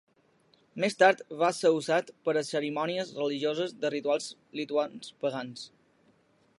Més tard va ser usat per a cerimònies religioses de rituals lituans pagans.